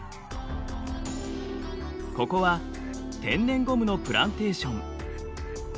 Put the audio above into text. ここは天然ゴムのプランテーション。